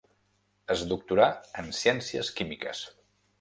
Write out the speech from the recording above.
Es doctorà en Ciències Químiques.